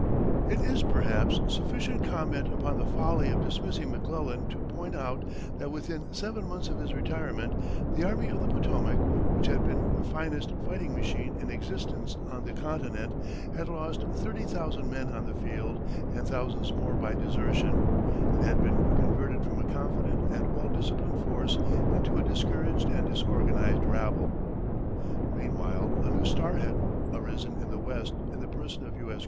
It is, perhaps, sufficient comment upon the folly of dismissing McClellan to point out that within seven months of his retirement, the Army of the Potomac, which had been the finest fighting machine in existence on the continent, had lost thirty thousand men on the field and thousands more by desertion, and had been converted from a confident and well disciplined force into a discouraged and disorganized rabble. Meanwhile a new star had arisen in the West in the person of U.S.